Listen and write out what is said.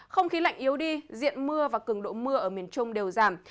không khí lạnh yếu đi diện mưa và cường độ mưa ở miền trung đều giảm